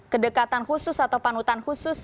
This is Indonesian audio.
kedekatan khusus atau panutan khusus